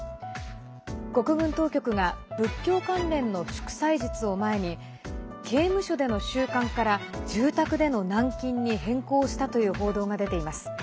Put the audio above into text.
国軍当局が仏教関連の祝祭日を前に刑務所での収監から住宅での軟禁に変更したという報道が出ています。